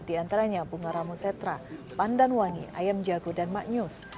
di antaranya bunga ramu setra pandan wangi ayam jago dan maknyus